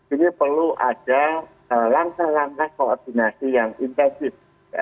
ini perlu ada langkah langkah koordinasi yang intensif